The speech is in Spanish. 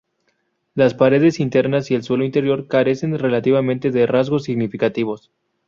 Las paredes internas y el suelo interior carecen relativamente de rasgos significativos.